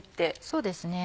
そうですね。